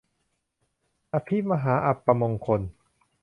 อภิมหาอัปมงคล